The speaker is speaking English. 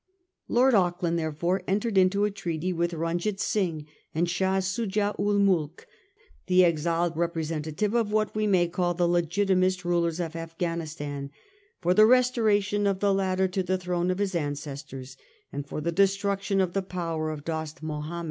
Lord Auckland, therefore, entered into a treaty with Runjeet Singh and Shah Soojah ool Moolk, the exiled representative of what we may call the legitimist rulers of Afghanistan, for the restora tion of the latter to the throne of his ancestors, and for the destruction of the power of Dost Mahomed.